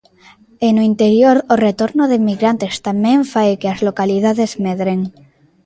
E no interior o retorno de emigrantes tamén fai que as localidades medren.